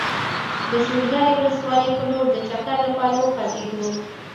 د شولګرې ولسوالۍ په لور د چکر لپاره وخوځېدو.